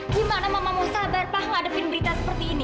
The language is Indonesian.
gimana mama mau sabar pak ngadepin berita seperti ini